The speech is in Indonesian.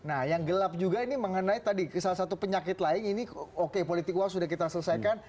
nah yang gelap juga ini mengenai tadi salah satu penyakit lain ini oke politik uang sudah kita selesaikan